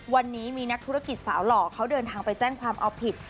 วันนี้มีนักธุรกิจสาวหล่อเขาเดินทางไปแจ้งความเอาผิด